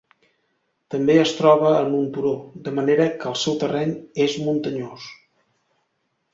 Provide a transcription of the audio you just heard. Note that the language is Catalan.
També es troba en un turó, de manera que el seu terreny és muntanyós.